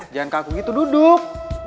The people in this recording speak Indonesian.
jangan kaku gitu duduk